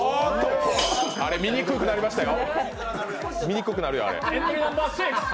あれ、見にくくなりましたよ。